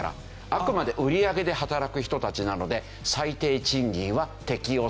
あくまで売り上げで働く人たちなので最低賃金は適用されないわけです。